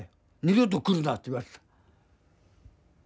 「二度と来るな」って言われた。